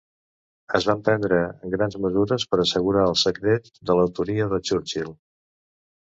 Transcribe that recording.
Es van prendre grans mesures per assegurar el secret de l’autoria de Churchill.